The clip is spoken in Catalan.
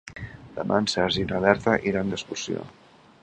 Demà en Sergi i na Berta iran d'excursió.